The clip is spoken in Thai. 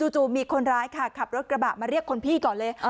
จู่มีคนร้ายค่ะขับรถกระบะมาเรียกคนพี่ก่อนเลย